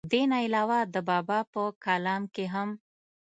دې نه علاوه د بابا پۀ کلام کښې هم